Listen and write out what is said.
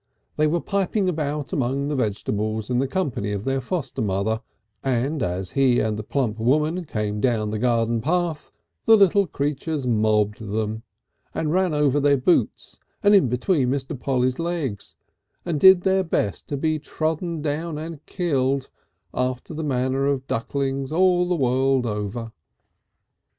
They were piping about among the vegetables in the company of their foster mother, and as he and the plump woman came down the garden path the little creatures mobbed them, and ran over their boots and in between Mr. Polly's legs, and did their best to be trodden upon and killed after the manner of ducklings all the world over.